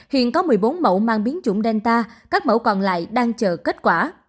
hiện có một mươi bốn mẫu mang biến chủng delta các mẫu còn lại đang chờ kết quả